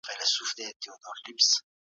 هغه حکومتونه چي د ولس پر بنسټ نه وي ژر ړنګيږي.